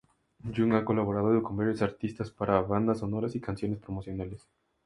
Jung ha colaborado con varios artistas para bandas sonoras y canciones promocionales.